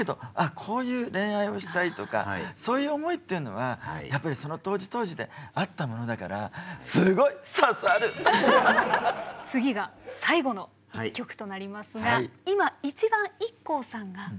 こういう恋愛をしたいとかそういう思いっていうのはやっぱりその当時当時であったものだからすごい次が最後の１曲となりますが今一番ＩＫＫＯさんが聴きたい曲。